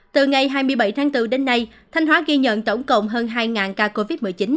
từ ngày hai mươi bảy tháng bốn đến nay thanh hóa ghi nhận tổng cộng hơn hai ca covid một mươi chín